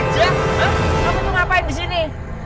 kamu tuh ngapain disini